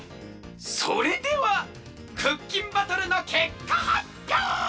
それではクッキンバトルのけっかはっぴょう！